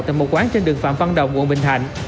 tại một quán trên đường phạm văn đồng quận bình thạnh